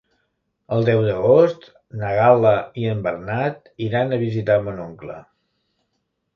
El deu d'agost na Gal·la i en Bernat iran a visitar mon oncle.